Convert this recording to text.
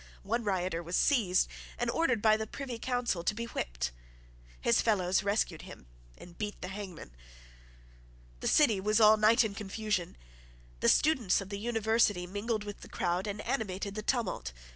One rioter was seized, and ordered by the Privy Council to be whipped. His fellows rescued him and beat the hangman. The city was all night in confusion. The students of the University mingled with the crowd and animated the tumult.